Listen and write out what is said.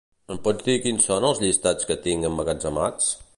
Em pots dir quins són els llistats que tinc emmagatzemats?